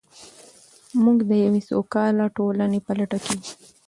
موږ د یوې سوکاله ټولنې په لټه کې یو.